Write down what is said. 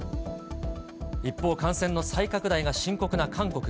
一方、感染の再拡大が深刻な韓国。